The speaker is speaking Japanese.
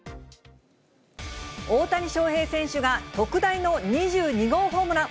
大谷翔平選手が特大の２２号ホームラン。